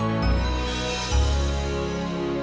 eh memberikan para pria effect